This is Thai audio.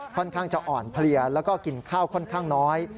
ค่อนข้างจะอ่อนเพลียแล้วก็กินข้าวค่อนข้างน้อย